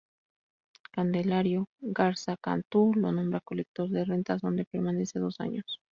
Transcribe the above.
Candelario Garza Cantu lo nombra Colector de Rentas donde permanece dos años.